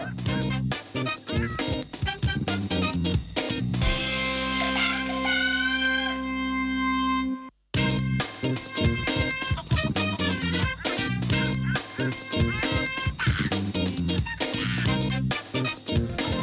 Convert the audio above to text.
โปรดติดตามตอนต่อไป